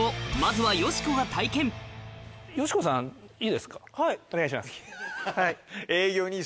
はい。